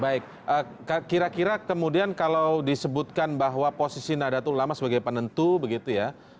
baik kira kira kemudian kalau disebutkan bahwa posisi nadatul ulama sebagai penentu begitu ya